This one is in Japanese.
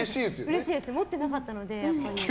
うれしいです持ってなかったので。